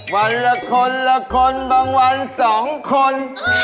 วันละคนละคนบางวัน๒คน